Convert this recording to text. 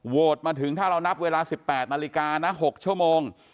มาถึงถ้าเรานับเวลา๑๘นาฬิกานะ๖ชั่วโมง